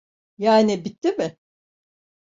Yani bitti mi?